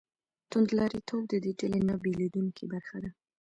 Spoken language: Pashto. توندلاریتوب د دې ډلې نه بېلېدونکې برخه ده.